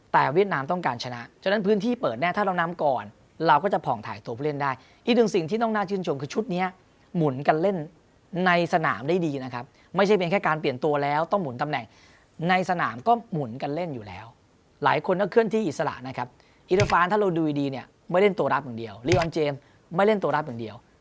แต่เวียดนามต้องการชนะจนั้นพื้นที่เปิดแน่ถ้าเราน้ำก่อนเราก็จะผ่องถ่ายตัวเพื่อเล่นได้อีกหนึ่งสิ่งที่ต้องน่าชื่นชมคือชุดเนี้ยหมุนกันเล่นในสนามได้ดีนะครับไม่ใช่เป็นแค่การเปลี่ยนตัวแล้วต้องหมุนตำแหน่งในสนามก็หมุนกันเล่นอยู่แล้วหลายคนก็เคลื่อนที่อิสระนะครับอิตฟานถ้าเราดูดีดีเนี้ยไม่เล่